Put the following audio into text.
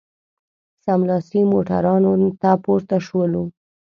سملاسي موټرانو ته پورته شولو.